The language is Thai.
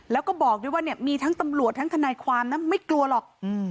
แล้วก็บอกด้วยว่าเนี่ยมีทั้งตำรวจทั้งทนายความนะไม่กลัวหรอก